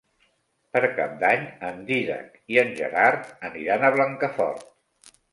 Per Cap d'Any en Dídac i en Gerard aniran a Blancafort.